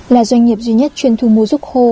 là doanh nghiệp duy nhất chuyên thu mua ruốc khô